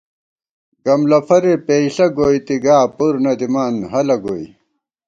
گم لَفَرے پېئیݪہ گوئیتی گا پُر نہ دِمان ہَلہ گوئی